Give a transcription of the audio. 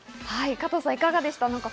加藤さん、いかがでした？